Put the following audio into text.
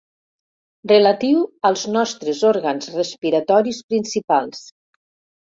Relatiu als nostres òrgans respiratoris principals.